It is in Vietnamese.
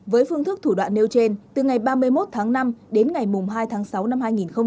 với phương thức thủ đoạn nêu trên từ ngày ba mươi một tháng năm đến ngày hai tháng sáu năm hai nghìn hai mươi